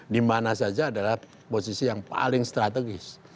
di mana saja adalah posisi yang paling strategis